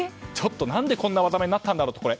ちょっと何でこんな技名になったのか。